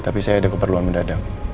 tapi saya ada keperluan mendadak